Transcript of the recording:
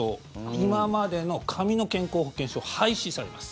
今ままでの紙の健康保険証廃止されます。